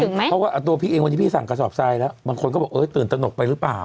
เพราะว่าตัวพี่เองวันนี้พี่สั่งกระสอบทรายแล้วบางคนก็บอกตื่นตนกไปหรือเปล่า